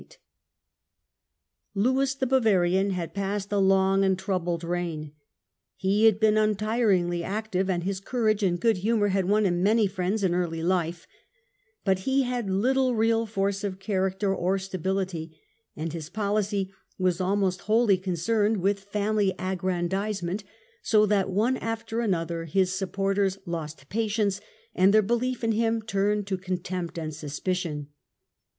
Character Lewis the Bavarian had passed a long and troubled of Lewis'^^ reign. He had been untiringly active, and his courage and good humour had won him many friends in early life ; but he had little real force of character or stability, and his poHcy was almost wholly concerned with family aggrandisement, so that one after another his supporters lost patience and their belief in him turned to contempt and suspicion.